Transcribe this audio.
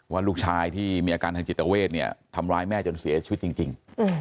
ว่าลูกชายที่มีอาการทางจิตเวทเนี่ยทำร้ายแม่จนเสียชีวิตจริง